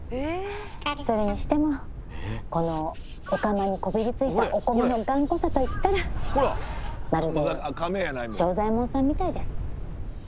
それにしてもこのお釜にこびりついたお米の頑固さといったらまるで正左衛門さんみたいです。